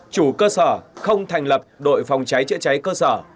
chủ cơ sở không thành lập đội phòng cháy chữa cháy cơ sở